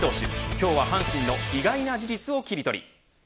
今日は阪神の意外な事実をキリトリ。